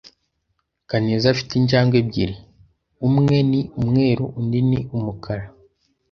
Kaneza afite injangwe ebyiri. Umwe ni umweru undi ni umukara.